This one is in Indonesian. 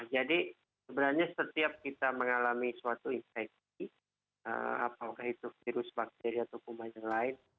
jadi sebenarnya setiap kita mengalami suatu infeksi apakah itu virus bakteria atau kuman yang lain